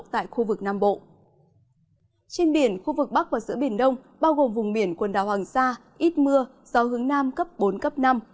trên biển khu vực bắc và giữa biển đông bao gồm vùng biển quần đảo hoàng sa ít mưa gió hướng nam cấp bốn cấp năm